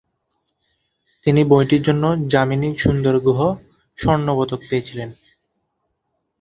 তিনি বইটির জন্য যামিনী সুন্দর গুহ স্বর্ণপদক পেয়েছিলেন।